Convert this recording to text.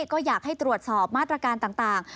ก็อยากให้ตรวจสอบมาตรการต่าง